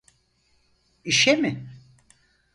İşe mi?